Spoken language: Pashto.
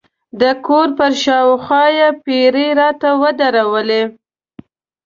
د کور پر شاوخوا یې پیرې راته ودرولې.